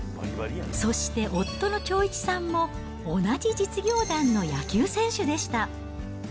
そして夫の長一さんも、同じ実業団の野球選手でした。